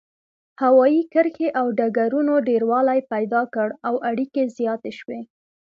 هوايي کرښې او ډګرونو ډیروالی پیدا کړ او اړیکې زیاتې شوې.